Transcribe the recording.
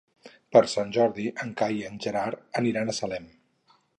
Per Sant Jordi en Cai i en Gerard aniran a Salem.